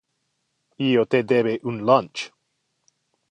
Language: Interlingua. Io te debe un lunch.